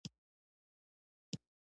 هغه هغې ته د ښایسته هیلې ګلان ډالۍ هم کړل.